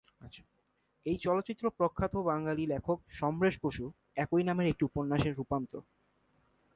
এই চলচ্চিত্রটি প্রখ্যাত বাঙালি লেখক সমরেশ বসুর একই নামের একটি উপন্যাসের রূপান্তর।